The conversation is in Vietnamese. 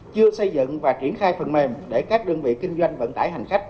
chưa xây dựng và triển khai phần mềm để các đơn vị kinh doanh vận tải hành khách